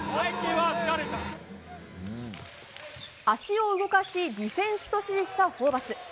足を動かしディフェンスと指示したホーバス。